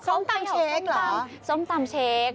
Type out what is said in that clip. ส้มตำเช็คเหรอส้มตำเช็ค